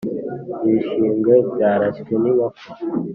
Ibishingwe byarashywe n’inkoko